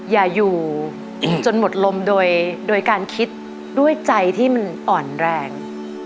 อย่าอยู่จนหมดลมโดยการคิดด้วยใจที่มันอ่อนแรง